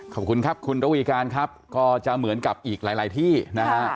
ขอบคุณครับคุณระวีการครับก็จะเหมือนกับอีกหลายที่นะฮะ